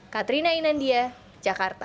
katrina inandia jakarta